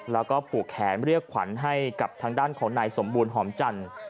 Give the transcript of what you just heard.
แล้วก็ผูกแขนเรียกขวัญให้กับทางด้านของนายสมบูรณหอมจันทร์